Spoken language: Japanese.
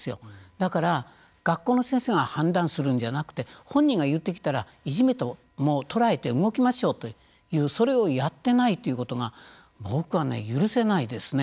だから学校の先生が判断するのじゃなくて本人が言ってきたらいじめと捉えて動きましょうというそれをやっていないということが僕は許せないですね。